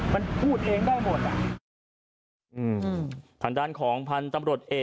มันพูดเองได้หมด